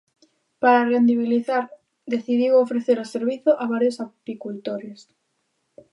Para rendibilizar decidiu ofrecer o servizo a varios apicultores.